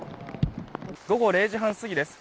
午後０時半過ぎです。